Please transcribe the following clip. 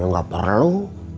ya gak perlu